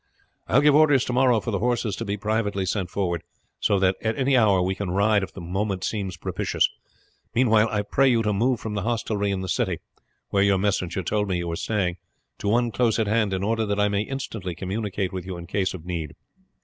I will give orders tomorrow for the horses to be privately sent forward, so that at any hour we can ride if the moment seem propitious; meanwhile I pray you to move from the hostelry in the city, where your messenger told me you were staying, to one close at hand, in order that I may instantly communicate with you in case of need.